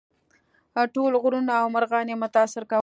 ټول غرونه او مرغان یې متاثر کول.